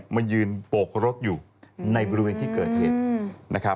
มายืนโบกรถอยู่ในบริเวณที่เกิดเหตุนะครับ